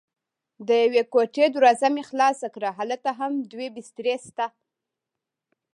د یوې کوټې دروازه مې خلاصه کړه: هلته هم دوه بسترې شته.